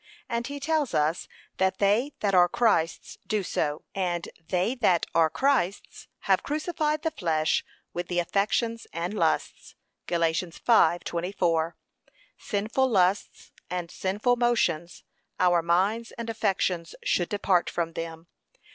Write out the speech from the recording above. And he tells us that they that are Christ's do so. 'And they that are Christ's have crucified the flesh with the affections and lusts.' (Gal. 5:24) Sinful lusts and sinful motions our minds and affections should depart from them.